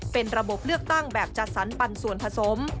เป็นระบบเลือกตั้งแบบจัดสรรปันส่วนผสม